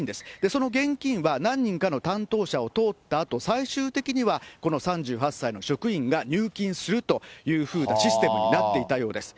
その現金は何人かの担当者を通ったあと、最終的には、この３８歳の職員が入金するというふうなシステムになっていたようです。